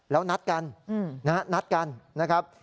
แล้วนัดกันนัดกันนะครับ